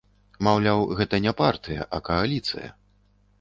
Маўляў, гэта не партыя, а кааліцыя.